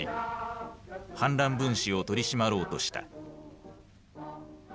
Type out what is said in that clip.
反乱分子を取り締まろうとした。